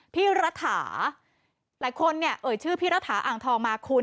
พี่รัฐาหลายคนเนี่ยเอ่ยชื่อพี่รัฐาอ่างทองมาคุณ